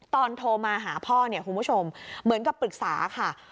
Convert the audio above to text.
ตอนโทรมาหาพ่อคุณผู้ชมเหมือนกับปรึกษาค่ะ